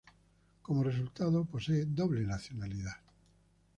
Como resultado, posee doble nacionalidad.